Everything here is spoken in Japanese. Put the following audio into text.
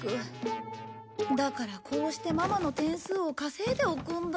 だからこうしてママの点数を稼いでおくんだ。